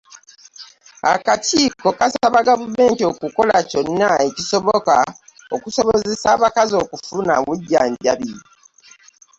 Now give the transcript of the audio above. Akakiiko kasaba Gavumenti okukola kyonna ekisoboka okusobozesa abakazi okufuna obujjanjabi.